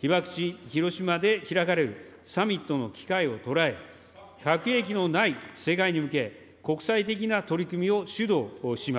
被爆地広島で開かれるサミットの機会を捉え、核兵器のない世界へ向け、国際的な取り組みを主導します。